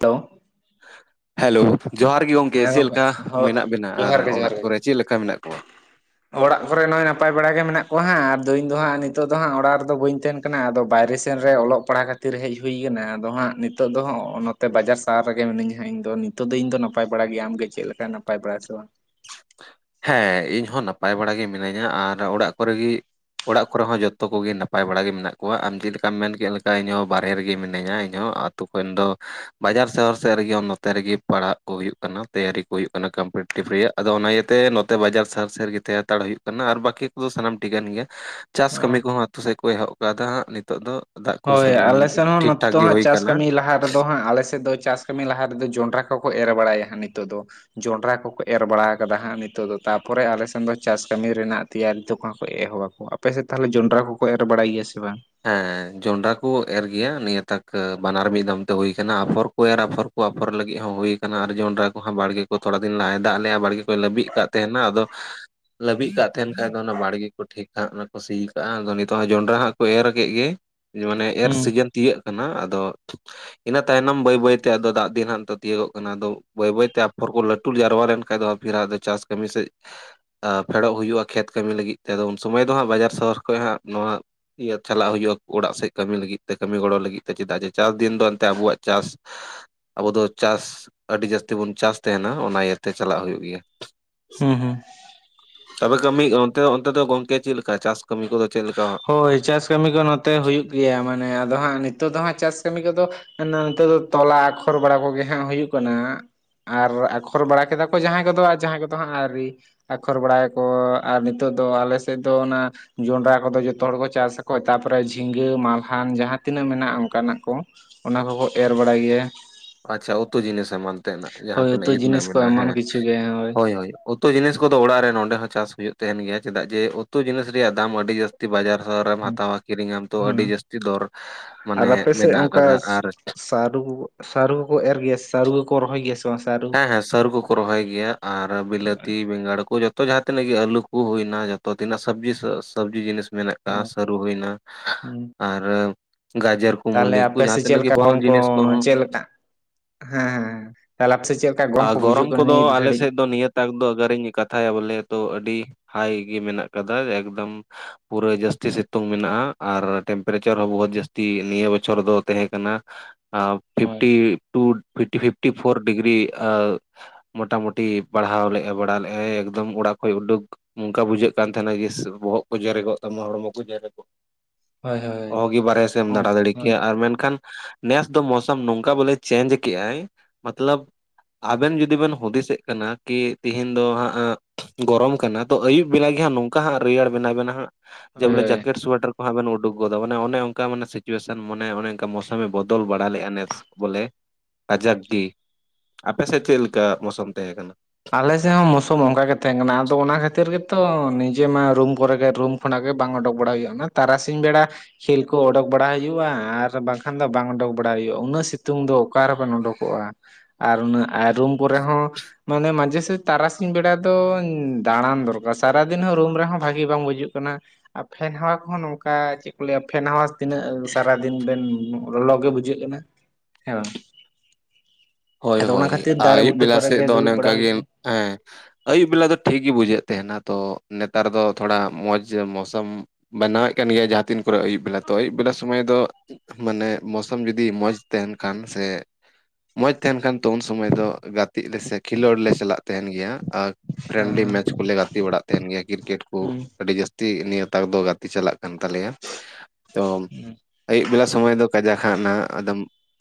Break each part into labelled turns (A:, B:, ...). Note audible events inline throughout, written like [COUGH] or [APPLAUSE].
A: Hello
B: hello ᱡᱚᱦᱟᱨ ᱜᱮ ᱜᱚᱝᱠᱮ
A: ᱦᱮᱸ
B: ᱪᱮᱫ ᱞᱮᱠᱟ
A: ᱦᱳ
B: ᱢᱮᱱᱟᱜ ᱵᱮᱱᱟ ᱟᱨ
A: ᱡᱚᱦᱟᱨ ᱜᱮ ᱡᱚᱦᱟᱨ
B: ᱚᱲᱟᱜ
A: ᱜᱮ
B: ᱠᱚᱨᱮ ᱪᱮᱫ ᱞᱮᱠᱟ ᱢᱮᱱᱟᱜ ᱠᱚᱣᱟ
A: ᱚᱲᱟᱜ ᱠᱚᱨᱮ ᱱᱚᱜᱼᱚᱭ ᱱᱟᱯᱟᱭ ᱵᱟᱲᱟ ᱜᱮ ᱢᱮᱱᱟᱜ ᱠᱚᱣᱟ ᱦᱟᱸᱜ ᱟᱨ ᱫᱚ ᱤᱧ ᱫᱚ ᱦᱟᱸᱜ ᱱᱤᱛᱚᱜ ᱫᱚ ᱦᱟᱸᱜ ᱚᱲᱟᱜ ᱨᱮ ᱫᱚ ᱵᱟᱹᱧ ᱛᱟᱦᱮᱸᱱ ᱱᱟ ᱟᱫᱚ ᱵᱟᱭᱨᱮ ᱥᱮᱱ ᱨᱮ ᱚᱞᱚᱜ ᱯᱟᱲᱦᱟ ᱠᱷᱟᱹᱛᱤᱨ ᱦᱮᱡ ᱦᱩᱭ ᱠᱟᱱᱟ ᱟᱫᱚ ᱦᱟᱸᱜ ᱱᱤᱛᱚᱜ ᱫᱚ ᱦᱚᱸᱜ ᱛᱮ ᱵᱟᱡᱟᱨ ᱥᱟᱦᱟᱨ ᱨᱮᱜᱮ ᱢᱤᱱᱤᱹᱧᱟ ᱦᱟᱸᱜ ᱤᱧ ᱫᱚ ᱱᱤᱛᱚᱜ ᱫᱚ ᱤᱧ ᱫᱚ ᱱᱟᱯᱟᱭ ᱵᱟᱲᱟ ᱜᱮ ᱟᱢ ᱜᱮ ᱪᱮᱫ ᱞᱮᱠᱟ ᱱᱟᱯᱟᱭ ᱵᱟᱲᱟ ᱥᱮ ᱵᱟᱝ
B: ᱦᱮᱸ ᱤᱧ ᱦᱚᱸ ᱱᱟᱯᱟᱭ ᱵᱟᱲᱟ ᱜᱮ ᱢᱤᱱᱟᱹᱧᱟ ᱟᱨ ᱚᱲᱟᱜ ᱠᱚᱨᱮ ᱜᱮ ᱚᱲᱟᱜ ᱠᱚᱨᱮ ᱦᱚᱸ ᱡᱚᱛᱚ ᱠᱚᱜᱮ ᱱᱟᱯᱟᱭ ᱵᱟᱲᱟ ᱜᱮ ᱢᱮᱱᱟᱜ ᱠᱚᱣᱟ ᱟᱢ ᱪᱮᱫ ᱞᱮᱠᱟᱢ ᱢᱮᱱ ᱠᱮᱫ ᱞᱮᱠᱟ ᱤᱧ ᱦᱚᱸ ᱵᱟᱦᱨᱮ ᱨᱮ ᱜᱮ ᱢᱤᱱᱟᱹᱧᱟ ᱤᱧ ᱦᱚᱸ ᱛᱚᱠᱷᱚᱱ ᱫᱚ ᱵᱟᱡᱟᱨ ᱥᱚᱦᱚᱨ ᱥᱮᱫ ᱨᱮᱜᱮ ᱱᱚᱛᱮ ᱨᱮᱜᱮ ᱯᱟᱲᱦᱟᱜ ᱠᱚ ᱦᱩᱭᱩᱜ ᱠᱟᱱᱟ ᱛᱮᱭᱟᱨᱤ ᱠᱚ ᱦᱩᱭᱩᱜ ᱠᱟᱱᱟ ᱠᱚᱢᱯᱤᱴᱮᱴᱤᱵᱷ ᱨᱮᱭᱟᱜ ᱟᱫᱚ ᱚᱱᱟ ᱤᱭᱟᱹ ᱛᱮ ᱱᱚᱛᱮ ᱵᱟᱡᱟᱨ ᱥᱟᱦᱟᱨ ᱥᱮ ᱨᱮ ᱜᱮ ᱛᱟᱦᱮᱸ ᱦᱟᱛᱟᱲ ᱦᱩᱭᱩᱜ ᱠᱟᱱᱟ ᱟᱨ ᱵᱟᱹᱠᱤ ᱠᱚᱫᱚ ᱥᱟᱱᱟᱢ ᱴᱷᱤᱠᱟᱹᱱ ᱜᱮᱭᱟ ᱪᱟᱥ
A: ᱚ
B: ᱠᱟᱹᱢᱤ ᱠᱚ ᱦᱚᱸ ᱟᱛᱳ ᱥᱮᱫ ᱠᱚ ᱮᱦᱚᱵ ᱟᱠᱟᱫᱟ ᱦᱟᱸᱜ ᱱᱤᱛᱚᱜ ᱫᱚ ᱫᱟᱜ ᱠᱚ
A: ᱦᱳᱭ
B: ᱥᱮ
A: ᱟᱞᱮ ᱥᱮᱱ ᱦᱚᱸ
B: ᱴᱷᱤᱠ ᱴᱷᱟᱠ
A: ᱱᱚᱛᱮ
B: ᱜᱮ
A: ᱦᱟᱸᱜ
B: ᱦᱩᱭ
A: ᱪᱟᱥ
B: ᱠᱟᱱᱟ
A: ᱠᱟᱹᱢᱤ ᱞᱟᱦᱟ ᱨᱮ ᱫᱚ ᱾ ᱫᱚ ᱦᱟᱸᱜ ᱟᱞᱮ ᱥᱮᱫ ᱫᱚ ᱪᱟᱥ ᱠᱟᱹᱢᱤ ᱞᱟᱦᱟ ᱨᱮ ᱫᱚ ᱡᱚᱸᱰᱨᱟ ᱠᱚ ᱠᱚ ᱮᱨ ᱵᱟᱲᱟᱭᱟ ᱦᱟᱸᱜ ᱱᱤᱛᱚᱜ ᱫᱚ᱾ ᱡᱚᱸᱰᱨᱟ ᱠᱚ ᱠᱚ ᱮᱨ ᱵᱟᱲᱟ ᱠᱟᱫᱟ ᱦᱟᱸᱜ ᱱᱤᱛᱚᱜ ᱫᱚ ᱛᱟᱯᱚ ᱨᱮ ᱟᱞᱮ ᱥᱮᱱ ᱫᱚ ᱪᱟᱥ ᱠᱟᱹᱢᱤ ᱨᱮᱱᱟᱜ ᱛᱮᱭᱟᱨᱤ ᱠᱚ ᱠᱚ ᱮᱦᱚᱵ ᱟᱠᱚ᱾ ᱟᱯᱮ ᱥᱮᱫ ᱛᱟᱦᱞᱮ ᱡᱚᱸᱰᱨᱟ ᱠᱚ ᱠᱚ ᱮᱨ ᱵᱟᱲᱟᱭ ᱜᱮᱭᱟ ᱥᱮ ᱵᱟᱝ?
B: ᱦᱮᱸ ᱡᱚᱱᱰᱨᱟ ᱠᱚ ᱮᱨ ᱜᱮᱭᱟ ᱱᱤᱭᱟᱹ ᱛᱟᱠ ᱵᱟᱱᱟᱨ ᱢᱤᱫ ᱫᱚᱢ ᱛᱮ ᱦᱩᱭ ᱠᱟᱱᱟ ᱟᱯᱷᱚᱨ ᱠᱚ ᱮᱨ ᱟᱯᱷᱚᱨ ᱟᱯᱷᱚᱨ ᱞᱟᱹᱜᱤᱫ ᱦᱚᱸ ᱦᱩᱭ ᱠᱟᱱᱟ ᱟᱨ ᱡᱚᱸᱰᱨᱟ ᱠᱚ ᱦᱚᱸ ᱵᱟᱲᱜᱮ ᱛᱷᱚᱲᱟ ᱫᱤᱱ ᱞᱟᱦᱟᱭ ᱫᱟᱜ ᱞᱮᱜᱼᱟ ᱵᱟᱲᱜᱮ ᱠᱚᱭ ᱞᱟᱹᱵᱤᱫ ᱠᱟᱜ ᱛᱟᱦᱮᱸᱱᱟ ᱟᱫᱚ ᱞᱟᱹᱵᱤᱜ ᱠᱟᱜ ᱛᱟᱦᱮᱸᱱ ᱠᱷᱟᱱ ᱫᱚ ᱚᱱᱟ ᱵᱟᱲᱜᱮ ᱠᱚ ᱴᱷᱤᱠ ᱦᱟᱸᱜ ᱚᱱᱟ ᱠᱚ ᱥᱤ ᱠᱟᱜᱼᱟ ᱟᱫᱚ ᱱᱤᱛᱚᱜ ᱦᱟᱸᱜ ᱡᱚᱱᱰᱨᱟ ᱦᱟᱸᱜ ᱠᱚ ᱮᱨ ᱠᱮᱜ ᱜᱮ ᱢᱟᱱᱮ ᱮᱨ
A: ᱦᱩᱸ
B: ᱥᱤᱡᱤᱱ ᱛᱤᱭᱟᱹᱜ ᱠᱟᱱᱟ ᱟᱫᱚ ᱤᱱᱟᱹ ᱛᱟᱭᱱᱚᱢ ᱵᱟᱹᱭ ᱵᱟᱹᱭ ᱛᱮ ᱫᱟᱜ ᱫᱤᱱ ᱦᱟᱸᱜ ᱛᱤᱭᱟᱹᱜ ᱜᱚᱜ ᱠᱟᱱᱟ ᱟᱫᱚ ᱵᱟᱹᱭ ᱵᱟᱹᱭ ᱛᱮ ᱟᱯᱷᱚᱨ ᱠᱚ ᱞᱟᱹᱴᱩ ᱡᱟᱨᱣᱟ ᱞᱮᱱ ᱠᱷᱟᱱ ᱫᱚ ᱯᱷᱤᱨᱟᱭ ᱟᱫᱚ ᱪᱟᱥ ᱠᱟᱹᱢᱤ ᱥᱮᱫ ᱯᱷᱮᱰᱚᱜ ᱦᱩᱭᱩᱜᱼᱟ ᱠᱷᱮᱛ ᱠᱟᱹᱢᱤ ᱞᱟᱹᱜᱤᱫ ᱛᱮ ᱩᱱ ᱥᱚᱢᱚᱭ ᱫᱚ ᱦᱟᱸᱜ ᱵᱟᱡᱟᱨ ᱥᱚᱦᱚᱨ ᱠᱷᱚᱡ ᱦᱟᱸᱜ ᱱᱚᱣᱟ ᱤᱭᱟᱹ ᱪᱟᱞᱟᱜ ᱦᱩᱭᱩᱜᱼᱟ ᱚᱲᱟᱜ ᱥᱮᱫ ᱠᱟᱹᱢᱤ ᱞᱟᱹᱜᱤᱫ ᱛᱮ ᱠᱟᱹᱢᱤ ᱜᱚᱲᱚ ᱞᱟᱹᱜᱤᱫ ᱛᱮ ᱪᱮᱫᱟᱜ ᱡᱮ ᱪᱟᱥ ᱫᱤᱱ ᱫᱚ ᱮᱱᱛᱮ ᱟᱵᱚᱣᱟᱜ ᱪᱟᱥ ᱟᱵᱚ ᱫᱚ ᱪᱟᱥ ᱟᱹᱰᱤ ᱡᱟᱹᱥᱛᱤ ᱵᱚᱱ ᱪᱟᱥ ᱛᱟᱦᱮᱸᱱᱟ ᱚᱱᱟ ᱤᱭᱟᱹᱛᱮ ᱪᱟᱞᱟᱜ ᱦᱩᱭᱩᱜ ᱜᱮᱭᱟ᱾
A: ᱦᱩᱸ ᱦᱩᱸ
B: ᱛᱚᱵᱮ ᱠᱟᱹᱢᱤ ᱚᱱᱛᱮ ᱚᱱᱛᱮ ᱫᱚ ᱜᱚᱝᱠᱮ ᱪᱮᱫ ᱞᱮᱠᱟ ᱪᱟᱥ ᱠᱟᱹᱢᱤ ᱠᱚᱫᱚ ᱪᱮᱫ ᱞᱮᱠᱟ?
A: ᱦᱳᱭ ᱪᱟᱥ ᱠᱟᱹᱢᱤ ᱠᱚ ᱱᱚᱛᱮ ᱦᱩᱭᱩᱜ ᱜᱮᱭᱟ ᱢᱟᱱᱮ ᱟᱫᱚ ᱦᱟᱸᱜ ᱱᱤᱛᱚᱜ ᱱᱤᱛᱚᱜ ᱫᱚ ᱦᱟᱸᱜ ᱪᱟᱥ ᱠᱟᱹᱢᱤ ᱠᱚᱫᱚ ᱱᱤᱛᱚᱜ ᱫᱚ ᱛᱚᱞᱟ ᱟᱠᱷᱚᱨ ᱵᱟᱲᱟ ᱠᱚᱜᱮ ᱦᱟᱸᱜ ᱦᱩᱭᱩᱜ ᱠᱟᱱᱟ᱾ ᱟᱨ ᱟᱠᱷᱚᱨ ᱵᱟᱲᱟ ᱠᱮᱫᱟ ᱠᱚ ᱡᱟᱦᱟᱸᱭ ᱠᱚᱫᱚ ᱟᱨ ᱡᱟᱦᱟᱸᱭ ᱠᱚᱫᱚ ᱦᱟᱸᱜ ᱟᱣᱨᱤ ᱟᱠᱷᱚᱨ ᱵᱟᱲᱟᱭᱟᱠᱚ ᱟᱨ ᱱᱤᱛᱚᱜ ᱫᱚ ᱟᱞᱮ ᱥᱮᱫ ᱫᱚ ᱚᱱᱟ ᱡᱚᱱᱰᱨᱟ ᱠᱚ ᱫᱚ ᱡᱚ ᱡᱷᱚᱛᱚ ᱦᱚᱲ ᱠᱚ ᱪᱟᱥ ᱟᱠᱚ ᱛᱟᱯᱚ ᱨᱮ ᱡᱷᱤᱸᱜᱟᱹ, ᱢᱟᱞᱦᱟᱱ, ᱡᱟᱦᱟᱸ ᱛᱤᱱᱟᱹᱜ ᱢᱮᱱᱟᱜᱼᱟ ᱚᱱᱠᱟᱱᱟᱜ ᱠᱚ ᱚᱱᱟ ᱠᱚ ᱠᱚ ᱮᱨ ᱵᱟᱲᱟᱭ ᱜᱮᱭᱟ᱾
B: ᱟᱪᱪᱷᱟ ᱩᱛᱩ ᱡᱤᱱᱤᱥ ᱮᱢᱟᱱ ᱛᱮᱱᱟᱜ ᱡᱟᱦᱟᱸ
A: ᱦᱳᱭ
B: ᱛᱤᱱᱟᱹᱜ
A: ᱩᱛᱩ
B: ᱤᱭᱟᱹ ᱛᱮᱱᱟᱜ
A: ᱡᱤᱱᱤᱥ ᱠᱚ
B: ᱢᱮᱱᱟᱜᱼᱟ
A: ᱮᱢᱚᱱ
B: ᱦᱮᱸ
A: ᱠᱤᱪᱷᱩ ᱜᱮ
B: ᱦᱳᱭ ᱦᱳᱭ ᱩᱛᱩ ᱡᱤᱱᱤᱥ ᱠᱚ ᱫᱚ ᱚᱲᱟᱜ ᱨᱮ ᱱᱚᱰᱮ ᱦᱚᱸ ᱪᱟᱥ ᱦᱩᱭᱩᱜ ᱛᱟᱦᱮᱸᱱ ᱜᱮᱭᱟ ᱪᱮᱫᱟᱜ ᱡᱮ ᱩᱛᱩ ᱡᱤᱱᱤᱥ ᱨᱮᱭᱟᱜ ᱫᱟᱢ ᱟᱹᱰᱤ ᱡᱟᱹᱥᱛᱤ ᱵᱟᱡᱟᱨ ᱨᱮᱢ ᱦᱟᱛᱟᱣᱟ ᱠᱤᱨᱤᱧ ᱟᱢ ᱛᱚ ᱟᱹᱰᱤ
A: ᱦᱮᱸ
B: ᱡᱟᱹᱥᱛᱤ ᱫᱚᱨ ᱢᱟᱱᱮ ᱢᱮᱱᱟᱜ ᱟᱠᱟᱫᱟ ᱟᱨ
A: ᱥᱟᱨᱩ ᱥᱟᱨᱩ ᱠᱚ ᱮᱨ ᱜᱮᱭᱟ ᱥᱟᱨᱩ ᱠᱚ ᱠᱚ ᱨᱚᱦᱚᱭ ᱜᱮᱭᱟ ᱥᱮ ᱵᱟᱝ ᱥᱟᱨᱩ
B: ᱦᱮᱸ, ᱦᱮᱸ ᱥᱟᱹᱨᱩ ᱠᱚ ᱠᱚ ᱨᱚᱦᱚᱭ ᱜᱮᱭᱟ ᱟᱨ ᱵᱤᱞᱟᱹᱛᱤ ᱵᱮᱸᱜᱟᱲ ᱠᱚ ᱡᱚᱛᱚ ᱡᱟᱦᱟᱸ ᱛᱤᱱᱟᱹᱜ ᱜᱮ ᱟᱹᱞᱩ ᱠᱚ ᱦᱩᱭᱱᱟ᱾ ᱛᱚ ᱛᱤᱱᱟᱹᱜ ᱥᱚᱵᱡᱤ ᱥᱚᱵᱡᱤ ᱡᱤᱱᱤᱥ ᱢᱮᱱᱟᱜ ᱠᱟᱜᱼᱟ
A: ᱦᱳᱭ
B: ᱥᱟᱹᱨᱩ ᱦᱩᱭᱱᱟ ᱟᱨ ᱜᱟᱡᱚᱨ ᱠᱚ
A: ᱛᱟᱦᱞᱮ
B: ᱢᱩᱞᱤ ᱠᱚ
A: ᱟᱯᱮ
B: ᱡᱟᱦᱟᱸ
A: ᱥᱮᱫ ᱪᱮᱫ
B: ᱛᱤᱱᱟᱹᱜ ᱜᱮ
A: ᱞᱮᱠᱟ
B: ᱯᱷᱚᱞ
A: ᱜᱚᱨᱚᱢ ᱠᱚ
B: ᱡᱤᱱᱤᱥ ᱠᱚᱦᱚᱸ
A: ᱪᱮᱫ ᱞᱮᱠᱟ ᱦᱮᱸ ᱦᱮᱸ ᱛᱟᱦᱞᱮ ᱟᱯᱮ ᱥᱮᱫ ᱪᱮᱫ ᱞᱮᱠᱟ ᱜᱚᱢ
B: ᱟᱨ
A: ᱠᱚ ᱵᱩᱡᱷᱟᱹᱜ
B: ᱜᱚᱨᱚᱢ
A: ᱠᱟᱱᱟ
B: ᱠᱚᱫᱚ
A: ᱱᱤᱛ
B: ᱟᱞᱮ
A: ᱜᱷᱟᱹᱲᱤᱡ
B: ᱥᱮᱫ ᱫᱚ ᱱᱤᱭᱟᱹ ᱮᱴ ᱫᱚ ᱟᱜᱟᱨᱤᱧ ᱠᱟᱛᱷᱟᱭᱟ ᱵᱚᱞᱮ ᱛᱚ ᱟᱹᱰᱤ ᱦᱟᱭ ᱜᱮ ᱢᱮᱱᱟᱜ ᱠᱟᱫᱟ ᱮᱠᱫᱚᱢ ᱯᱩᱨᱟᱹ ᱡᱟᱹᱥᱛᱤ ᱥᱤᱛᱩᱝ ᱢᱮᱱᱟᱜᱼᱟ ᱟᱨ ᱴᱮᱢ ᱯᱟᱨᱮ ᱪᱟᱨ ᱦᱚᱸ ᱵᱚᱦᱩᱛ ᱡᱟᱹᱥᱛᱤ ᱱᱤᱭᱟᱹ ᱵᱚᱪᱷᱚᱨ ᱫᱚ ᱛᱟᱦᱮᱸ ᱠᱟᱱᱟ᱾
A: ᱦᱳᱭ
B: fifty two fifty fifty four degree ᱮᱸ ᱢᱚᱴᱟ ᱢᱩᱴᱤ ᱯᱟᱲᱦᱟᱣ ᱞᱮᱜᱼᱟ ᱵᱟᱲᱟ ᱞᱮᱫᱟᱭ ᱮᱠᱫᱚᱢ ᱚᱲᱟᱜ ᱠᱷᱚᱡ ᱩᱰᱩᱠ ᱚᱱᱠᱟ ᱵᱩᱡᱷᱟᱹᱜ ᱠᱟᱱ ᱛᱟᱦᱮᱸᱱᱟ ᱡᱮ ᱵᱚᱦᱚᱜ ᱠᱚ ᱡᱮᱨᱮᱜᱚᱜ ᱛᱟᱢᱟ ᱦᱚᱲᱢᱚ ᱠᱚ ᱡᱮᱨᱮᱜᱚᱜ
A: ᱦᱳᱭ ᱦᱳᱭ
B: ᱚᱦᱚ ᱜᱤ ᱵᱟᱨᱦᱮ ᱥᱮᱫ ᱮᱢ
A: ᱦᱳᱭ
B: ᱫᱟᱬᱟ ᱫᱟᱲᱮ ᱠᱮᱭᱟ ᱟᱨ ᱢᱮᱱ ᱠᱷᱟᱱ ᱱᱮᱥ ᱫᱚ ᱢᱳᱥᱚᱢ ᱱᱚᱝᱠᱟ ᱵᱚᱞᱮ ᱪᱮᱧᱡᱽ ᱠᱮᱜ ᱟᱭ ᱢᱟᱛᱞᱟᱵᱽ ᱟᱵᱮᱱ ᱡᱩᱫᱤ ᱵᱮᱱ ᱦᱩᱫᱤᱥᱮᱜ ᱠᱟᱱᱟ ᱠᱤ ᱛᱤᱦᱤᱧ ᱫᱚ ᱦᱟᱸᱜ ᱜᱚᱨᱚᱢ ᱠᱟᱱᱟ᱾ ᱛᱚ ᱟᱹᱭᱩᱵ ᱵᱮᱞᱟ ᱜᱮ ᱦᱟᱸᱜ ᱱᱚᱝᱠᱟ ᱦᱟᱸᱜ ᱨᱮᱭᱟᱲ ᱵᱮᱱᱟ ᱵᱮᱱᱟ ᱦᱟᱸᱜ ᱡᱮ
A: ᱦᱳᱭ
B: ᱵᱚᱞᱮ
A: ᱦᱳᱭ
B: ᱡᱮᱠᱮᱴ ᱥᱚᱭᱴᱟᱨ ᱦᱟᱸᱜ ᱵᱮᱱ ᱩᱰᱩᱠ ᱜᱚᱫ ᱢᱟᱱᱮ ᱚᱱᱮ ᱚᱱᱠᱟ ᱢᱟᱱᱮ ᱥᱤᱪᱩᱭᱮᱥᱚᱱᱟᱱᱮ ᱢᱚᱱᱮ ᱚᱱᱠᱟ ᱢᱳᱥᱚᱢ ᱮ ᱵᱚᱫᱚᱞ ᱵᱟᱲᱟ ᱞᱮᱜᱼᱟ ᱱᱮᱥ᱾ ᱵᱚᱞᱮ ᱠᱟᱡᱟᱠ ᱜᱤ᱾ ᱟᱯᱮ ᱥᱮᱫ ᱪᱮᱫ ᱞᱮᱠᱟ ᱢᱳᱥᱚᱢ ᱛᱟᱦᱮᱸ ᱠᱟᱱᱟ᱾
A: ᱟᱞᱮ ᱥᱮᱫ ᱦᱚᱸ ᱢᱳᱥᱚᱢ ᱚᱱᱠᱟ ᱜᱮ ᱛᱟᱦᱮᱸ ᱠᱟᱱᱟ ᱟᱫᱚ ᱚᱱᱟ ᱠᱷᱟᱹᱛᱤᱨ ᱜᱮᱛᱚ ᱱᱤᱡᱮ ᱢᱟ ᱨᱩᱢ ᱠᱚᱨᱮ ᱜᱮ ᱨᱩᱢ ᱠᱷᱚᱱᱟᱜ ᱜᱮ ᱵᱟᱝ ᱚᱰᱩᱠ ᱵᱟᱲᱟ ᱦᱩᱭᱩᱜ-ᱟ ᱛᱟᱨᱟᱥᱤᱧ ᱵᱮᱲᱟ ᱠᱷᱮᱞ ᱠᱚ ᱚᱰᱚᱠ ᱵᱟᱲᱟ ᱦᱩᱭᱩᱜ-ᱟ ᱟᱨ ᱵᱟᱝ ᱠᱷᱟᱱ ᱫᱚ ᱵᱟᱝ ᱚᱰᱩᱠ ᱵᱟᱲᱟ ᱦᱩᱭᱩᱜ-ᱟ ᱩᱱᱟᱹᱜ ᱥᱤᱛᱩᱝ ᱫᱚ ᱚᱠᱟ ᱨᱮ ᱵᱮᱱ ᱩᱰᱩᱠᱚᱜ-ᱟ᱾ ᱟᱨ ᱩᱱᱟᱹᱜ ᱚᱱᱟᱜ ᱨᱩᱢ ᱠᱚᱨᱮ ᱦᱚᱸ ᱢᱟᱱᱮ ᱢᱟᱡᱷᱮ ᱥᱮᱡᱷ ᱛᱟᱨᱟᱥᱤᱧ ᱵᱮᱲᱟ ᱫᱚ ᱫᱟᱬᱟᱱ ᱫᱚᱨᱠᱟᱨ ᱥᱟᱨᱟ ᱫᱤᱱ ᱦᱚᱸ ᱨᱩᱢ ᱨᱮᱦᱚᱸ ᱵᱷᱟᱜᱤ ᱵᱟᱝ ᱵᱩᱡᱩᱜ ᱠᱟᱱᱟ᱾ ᱟᱨ ᱯᱷᱮᱱ ᱦᱟᱣᱟ ᱠᱚᱦᱚᱸ ᱱᱚᱝᱠᱟ, ᱪᱮᱫ ᱠᱚ ᱞᱟᱹᱭ ᱟ ᱯᱷᱮᱱ ᱦᱟᱣᱟ ᱛᱤᱱᱟᱹᱜ ᱥᱟᱨᱟ ᱫᱤᱱ ᱵᱮᱱ ᱞᱚᱞᱚ ᱜᱮ ᱵᱩᱡᱷᱟᱹᱜ ᱠᱟᱱᱟ ᱦᱮᱸ ᱵᱟᱝ
B: ᱦᱳᱭ
A: ᱟᱫᱚ ᱚᱱᱟ
B: ᱦᱳᱭ
A: ᱠᱷᱟᱹᱛᱤᱨ ᱫᱟᱨᱮ
B: ᱟᱹᱭᱩᱵ
A: ᱵᱩᱴᱟᱹ
B: ᱵᱮᱞᱟ
A: ᱠᱚᱨᱮ
B: ᱥᱮᱫ
A: ᱜᱮ
B: ᱫᱚ
A: ᱫᱩᱲᱩᱵ
B: ᱚᱱᱮ
A: ᱵᱟᱲᱟ
B: ᱚᱱᱠᱟᱜ
A: ᱦᱩᱭ
B: ᱜᱮ
A: ᱠᱟᱱᱟ
B: ᱦᱮᱸ ᱟᱹᱭᱩᱵ ᱵᱮᱞᱟ ᱫᱚ ᱴᱷᱤᱠ ᱜᱮ ᱵᱩᱡᱷᱟᱹᱜ ᱛᱟᱦᱮᱱᱟ ᱛᱚ ᱱᱮᱛᱟᱨ ᱫᱚ ᱛᱷᱚᱲᱟ ᱢᱚᱡᱽ ᱢᱳᱥᱚᱢ ᱵᱮᱱᱟᱣᱮᱫ ᱠᱟᱱ ᱜᱮᱭᱟᱭ ᱡᱟᱦᱟᱸ ᱛᱤᱱ ᱠᱚᱨᱮᱜ ᱟᱹᱭᱩᱵ ᱵᱮᱞᱟ ᱛᱚ ᱟᱹᱭᱩᱵ ᱵᱮᱞᱟ ᱥᱚᱢᱚᱭ ᱫᱚ ᱢᱟᱱᱮ ᱢᱳᱥᱚᱢ ᱡᱩᱫᱤ ᱢᱚᱸᱡᱽ ᱛᱟᱦᱮᱱ ᱠᱷᱟᱱ ᱥᱮ ᱢᱚᱸᱡᱽ ᱛᱟᱦᱮᱱ ᱠᱷᱟᱱ ᱛᱚ ᱩᱱ ᱥᱚᱢᱚᱭ ᱫᱚ ᱜᱟᱛᱮ ᱞᱮᱥᱮ ᱠᱷᱮᱞᱳᱰ ᱞᱮ ᱪᱟᱞᱟᱜ ᱛᱟᱦᱮᱱ ᱜᱮᱭᱟ ᱟᱨ ᱯᱷᱨᱮᱱᱰᱞᱤ ᱢᱮᱪ ᱠᱚᱞᱮ ᱜᱟᱛᱮ ᱵᱟᱲᱟᱜ ᱛᱟᱦᱮᱱ ᱜᱮᱭᱟ ᱠᱨᱤᱠᱮᱴ ᱠᱚ
A: ᱦᱮᱸ
B: ᱟᱹᱰᱤ ᱡᱟᱹᱥᱛᱤ ᱱᱤᱭᱟᱹ ᱛᱟᱠ ᱫᱚ ᱜᱟᱛᱮ ᱪᱟᱞᱟᱜ ᱠᱟᱱ ᱛᱟᱞᱮᱭᱟ ᱛᱚ
A: ᱦᱩᱸ
B: ᱟᱹᱭᱩᱵ ᱵᱮᱞᱟ ᱥᱚᱢᱚᱭ ᱫᱚ ᱠᱟᱡᱟᱠ ᱠᱷᱟᱜ ᱦᱟᱸᱜ ᱱᱟ ᱟᱫᱚᱢ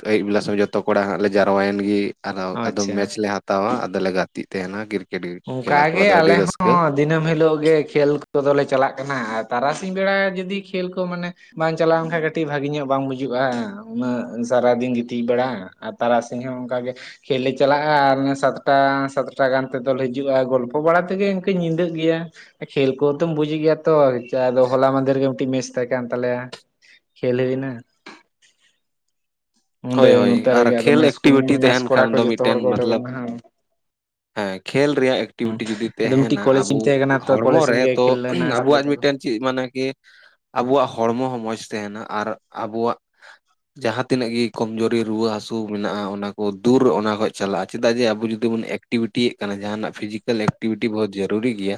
B: ᱟᱹᱭᱩᱵ ᱵᱮᱞᱟ ᱥᱮᱜ ᱡᱚᱛᱚ ᱠᱚᱲᱟ ᱦᱟᱸᱜ ᱞᱮ ᱡᱟᱨᱣᱟᱭᱮᱱ ᱜᱮ ᱟᱨ ᱟᱫᱚᱢ ᱢᱮᱪ
A: ᱟᱪᱪᱷᱟ
B: ᱞᱮ ᱦᱟᱛᱟ ᱦᱟᱛᱟᱣᱟ ᱟᱫᱚᱞᱮ ᱜᱟᱛᱮ ᱛᱟᱦᱮᱱᱟ ᱠᱨᱤᱠᱮᱴ ᱠᱷᱮᱞᱟ ᱠᱚ
A: ᱚᱱᱠᱟᱜᱮ
B: ᱟᱫᱚ ᱟᱹᱰᱤ
A: ᱟᱞᱮ
B: ᱨᱟᱹᱥᱠᱟᱹ
A: ᱦᱚᱸ ᱫᱤᱱᱟᱹᱢ ᱦᱤᱞᱳᱜ ᱜᱮ ᱠᱷᱮᱞ ᱠᱚᱫᱚᱞᱮ ᱪᱟᱞᱟᱜ ᱠᱟᱱᱟ ᱟᱨ ᱛᱟᱨᱟᱥᱤᱧ ᱵᱮᱲᱟ ᱡᱩᱫᱤ ᱠᱷᱮᱞ ᱠᱚ ᱢᱟᱱᱮ ᱵᱟᱝ ᱪᱟᱞᱟᱣᱱ ᱠᱷᱟᱱ ᱠᱟᱹᱴᱤᱡ ᱵᱷᱟᱜᱤ ᱧᱚᱜ ᱵᱟᱝ ᱵᱩᱡᱩᱜ-ᱟ ᱩᱱᱟᱹᱜ ᱥᱟᱨᱟ ᱫᱤᱱ ᱜᱤᱛᱤᱡ ᱵᱟᱲᱟ ᱟᱨ ᱛᱟᱨᱟᱥᱤᱧ ᱦᱚᱸ ᱚᱱᱠᱟ ᱜᱮ ᱠᱷᱮᱞ ᱞᱮ ᱪᱟᱞᱟᱜ-ᱟ ᱟᱨ ᱥᱟᱛᱴᱟ ᱥᱟᱛᱴᱟ ᱜᱟᱱ ᱛᱮ ᱫᱚᱞ ᱦᱤᱡᱩᱜ-ᱟ ᱜᱚᱞᱯᱷᱚ ᱵᱟᱲᱟ ᱛᱮᱜᱮ ᱤᱱᱠᱟᱹ ᱧᱤᱫᱟᱹᱜ ᱜᱮᱭᱟ ᱠᱷᱮᱞ ᱠᱚᱫᱚᱢ ᱵᱩᱡᱽ ᱮᱫ ᱜᱮᱭᱟ ᱛᱚ ᱟᱫᱚ ᱦᱚᱞᱟ ᱢᱟᱫᱮᱨ ᱜᱮ ᱢᱮᱫᱴᱮᱪ ᱢᱮᱪ ᱛᱟᱦᱮᱸ ᱠᱟᱱ ᱛᱟᱞᱮ ᱠᱷᱮᱞ ᱦᱩᱭᱱᱟ᱾ ᱚᱸᱰᱮ
B: ᱦᱳᱭ ᱦᱳᱭ
A: ᱱᱚᱛᱮ
B: ᱟᱨ
A: ᱨᱮᱜᱮ ᱟᱫᱚ
B: ᱠᱷᱮᱞ
A: ᱢᱮᱥ
B: ᱮᱠᱴᱤᱵᱷᱤᱴᱤ
A: ᱢᱮᱥ
B: ᱛᱟᱦᱮᱱ
A: ᱠᱚᱲᱟ
B: ᱠᱷᱟᱱ
A: ᱠᱚ
B: ᱫᱚ
A: ᱡᱚᱛᱚ ᱦᱚᱲ
B: ᱢᱤᱫᱴᱮᱱ
A: ᱠᱚ ᱚᱰᱚᱠ
B: ᱢᱚᱛᱞᱚᱵ
A: ᱮᱱᱟ
B: ᱦᱮᱸ ᱠᱷᱮᱞ ᱨᱮᱭᱟᱜ ᱮᱠᱴᱤᱵᱷᱤᱴᱤ ᱡᱩᱫᱤ
A: ᱟᱫᱚ ᱢᱤᱫᱴᱤᱡ
B: ᱛᱟᱦᱮᱱᱟ
A: ᱠᱚᱞᱮᱡᱽ ᱴᱤᱢ
B: ᱟᱵᱚ
A: ᱛᱟᱦᱮᱸ ᱠᱟᱱᱟ ᱛᱚ
B: ᱦᱚᱲᱢᱚ
A: ᱠᱚᱞᱮᱡᱽ ᱴᱤᱢ
B: ᱨᱮ
A: ᱜᱮ
B: ᱛᱚ
A: ᱠᱷᱮᱞ ᱞᱮᱱᱟ ᱥᱟᱵ
B: ᱟᱵᱚᱣᱟᱜ
A: ᱞᱮᱫᱟ ᱠᱚ
B: ᱢᱤᱫᱴᱮᱱ ᱪᱮᱫ ᱢᱟᱱᱮ ᱠᱤ ᱟᱵᱚᱣᱟᱜ ᱦᱚᱲᱢᱚ ᱦᱚᱸ ᱢᱚᱸᱡᱽ ᱛᱟᱦᱮᱱᱟ ᱟᱨ ᱟᱵᱚᱣᱟᱜ ᱡᱟᱦᱟᱸ ᱛᱤᱱᱟᱹᱜ ᱜᱤ ᱠᱚᱢᱡᱩᱨᱤ ᱨᱩᱣᱟᱹ ᱦᱟᱹᱥᱩ ᱢᱮᱱᱟᱜ-ᱟ ᱚᱱᱟ ᱠᱚ ᱫᱩᱨ ᱚᱱᱟ ᱠᱷᱚᱡᱽ ᱪᱟᱞᱟᱜ-ᱟ ᱪᱮᱫᱟᱜ ᱡᱮ ᱟᱵᱚ ᱡᱩᱫᱤ ᱵᱚᱱ ᱮᱠ ᱮᱠᱴᱤᱵᱷᱤᱴᱤᱭᱮᱫ ᱠᱟᱱᱟ ᱡᱟᱦᱟᱸᱱᱟᱜ ᱯᱷᱤᱡᱤᱠᱮᱞ ᱮᱠᱴᱤᱵᱷᱤᱴᱤ ᱵᱚᱦᱩᱛ ᱡᱟᱨᱩᱨᱤ ᱜᱮᱭᱟ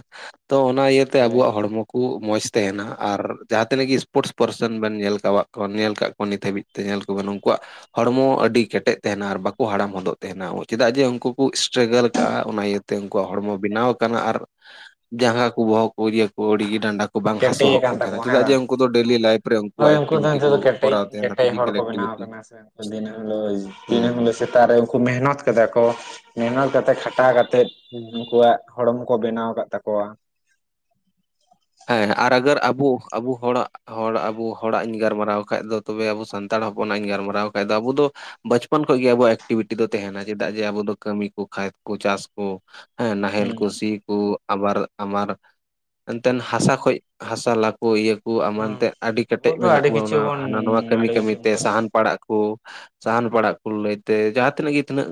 B: ᱛᱚ ᱚᱱᱟ ᱤᱭᱟᱹᱛᱮ ᱟᱵᱚᱣᱟᱜ ᱦᱚᱲᱢᱚ, ᱠᱩ ᱢᱚᱡᱽ ᱛᱮ ᱦᱮᱱᱟᱜ-ᱟ ᱟᱨ ᱡᱟᱦᱟᱸ ᱛᱤᱱᱟᱹᱜ ᱜᱮ ᱥᱯᱳᱨᱴᱥ ᱯᱟᱨᱥᱮᱱ ᱵᱮᱱ ᱧᱮᱞ ᱠᱟᱫ ᱠᱚᱣᱟ ᱧᱮᱞ ᱠᱟᱫ ᱠᱚᱣᱟ ᱱᱤᱛ ᱦᱟᱹᱵᱤᱡ ᱧᱮᱞ ᱠᱚᱵᱤᱱ ᱩᱱᱠᱩᱣᱟᱜ ᱦᱚᱲᱢᱚ ᱟᱹᱰᱤ ᱠᱮᱴᱮᱡ ᱛᱟᱦᱮᱱᱟ ᱟᱨ ᱵᱟᱠᱚ ᱦᱟᱲᱟᱢ ᱦᱚᱫᱚᱜ ᱛᱟᱦᱮᱱᱟ ᱪᱮᱫᱟᱜ ᱡᱮ ᱩᱱᱠᱩ ᱠᱚ ᱥᱴᱨᱜᱟᱞ ᱠᱟᱜ-ᱟ ᱚᱱᱟ ᱤᱭᱟᱹ ᱛᱮ ᱩᱱᱠᱩᱣᱟᱜ ᱦᱚᱲᱢᱚ ᱵᱮᱱᱟᱣ ᱟᱠᱟᱱᱟ ᱟᱨ ᱡᱟᱸᱜᱟ ᱠᱚ ᱵᱚᱦᱚᱜ ᱠᱚ ᱠᱚ ᱟᱣᱲᱤ ᱰᱟᱸᱰᱟ ᱠᱚ ᱵᱟᱝ ᱦᱟᱹᱥᱩ
A: ᱠᱮᱴᱮᱡ
B: ᱠᱚ
A: ᱟᱠᱟᱱ
B: ᱛᱟᱦᱮᱸᱱᱟ
A: ᱛᱟᱠᱚᱣᱟ ᱦᱮᱸ
B: ᱪᱮᱫᱟᱜ ᱡᱮ
A: ᱵᱟᱝ
B: ᱩᱱᱠᱩ ᱫᱚ ᱰᱮᱞᱤ ᱞᱟᱭᱤᱯᱷ ᱨᱮ
A: ᱦᱳᱭ
B: ᱩᱱᱠᱩᱣᱟᱜ
A: ᱩᱱᱠᱩ ᱫᱚ
B: ᱮᱠᱴᱤᱵᱷᱤᱴᱤ
A: ᱱᱤᱛᱚᱜ ᱫᱚ ᱠᱮᱴᱮᱡ
B: ᱠᱚᱨᱟᱣ ᱛᱟᱦᱮᱱᱟ
A: ᱠᱮᱴᱮᱡ ᱦᱚᱲ
B: ᱯᱷᱤᱡᱤᱠᱮᱞ
A: ᱠᱚ ᱵᱮᱱᱟᱣ
B: ᱮᱠᱴᱤᱣᱮᱴᱤ
A: ᱟᱠᱟᱱᱟ ᱥᱮ ᱩᱱᱠᱩ ᱫᱤᱱᱟᱹᱢ ᱦᱤᱞᱳ ᱫᱤᱱᱟᱹᱢ ᱦᱤᱞᱳᱜ ᱥᱮ ᱥᱮᱛᱟᱜ ᱨᱮ ᱩᱱᱠᱩ ᱢᱮᱦᱱᱚᱛ ᱠᱟᱫᱟ ᱠᱚ ᱢᱮᱦᱱᱚᱛ ᱠᱟᱛᱮ ᱠᱷᱟᱴᱟᱣ ᱠᱟᱛᱮᱫ
B: ᱦᱩᱸ
A: ᱩᱱᱠᱩᱣᱟᱜ ᱦᱚᱲᱚᱢ ᱠᱚ ᱵᱮᱱᱟᱣ ᱠᱟᱫ ᱛᱟᱠᱚᱣᱟ᱾
B: ᱦᱮᱸ ᱟᱨ ᱟᱜᱟᱨ ᱟᱵᱚ ᱟᱵᱚ ᱦᱚᱲᱟᱜ ᱦᱚᱲ ᱟᱵᱚ ᱦᱚᱲᱟᱜ ᱤᱧ ᱜᱟᱞᱢᱟᱨᱟᱣ ᱠᱷᱟᱡ ᱫᱚ ᱛᱚᱵᱮ ᱟᱵᱚ ᱥᱟᱱᱛᱟᱲ ᱦᱚᱯᱚᱱᱟᱜ ᱤᱧ ᱜᱟᱞᱢᱟᱨᱟᱣ ᱠᱷᱟᱡ ᱫᱚ ᱟᱵᱚ ᱫᱚ ᱵᱟᱪᱯᱚᱱ ᱠᱷᱚᱡ ᱜᱮ ᱟᱵᱚᱣᱟᱜ ᱮᱠᱴᱤᱵᱷᱤᱴᱤ ᱫᱚ ᱛᱟᱦᱮᱱᱟ ᱪᱮᱫᱟᱜ ᱡᱮ ᱟᱵᱚ ᱫᱚ ᱠᱟᱹᱢᱤ ᱠᱚ ᱠᱷᱮᱛ ᱠᱚ ᱪᱟᱥ ᱠᱚ ᱦᱮᱸ ᱱᱟᱦᱮᱞ
A: ᱦᱩᱸ
B: ᱠᱩ ᱥᱤ ᱠᱚ ᱟᱵᱟᱨ ᱟᱢᱟᱨ ᱛᱮᱱ ᱦᱟᱥᱟ ᱠᱷᱚᱡ ᱦᱟᱥᱟ ᱞᱟᱠᱚ ᱤᱭᱟᱹ
A: ᱦᱩᱸ
B: ᱮᱢᱟᱱᱛᱮ ᱟᱹᱰᱤ
A: ᱟᱵᱚ
B: ᱠᱮᱴᱮᱡ
A: ᱫᱚ
B: ᱢᱮᱱᱟᱜ
A: ᱟᱹᱰᱤ ᱠᱤᱪᱷᱩ
B: ᱵᱚᱱᱟ
A: ᱵᱚᱱ
B: ᱦᱟᱱᱟ ᱱᱚᱣᱟ ᱠᱟᱹᱢᱤ
A: ᱟᱹᱰᱤ
B: ᱠᱟᱹᱢᱤ
A: ᱠᱤᱪᱷᱩ ᱵᱚᱱ
B: ᱛᱮ
A: ᱠᱚᱨᱟᱣᱟ
B: ᱥᱟᱦᱟᱱ ᱯᱟᱲᱟᱜ ᱠᱩ ᱥᱟᱦᱟᱱ ᱯᱟᱲᱟᱜ ᱠᱚ ᱞᱟᱹᱭ ᱛᱮ ᱡᱟᱦᱟᱸ ᱛᱤᱱᱟᱹᱜ ᱜᱮ ᱛᱤᱱᱟᱹᱜ